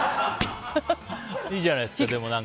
いいじゃないですか。